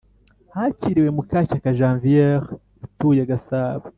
Hakiriwe Mukashyaka Janviere utuye gasabo